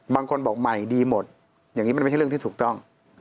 บางคนบอกใหม่ดีหมดอย่างนี้มันไม่ใช่เรื่องที่ถูกต้อง